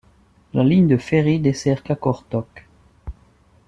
La ligne de ferry dessert Qaqortoq.